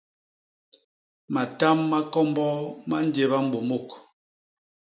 Matam ma komboo ma njéba mbômôk.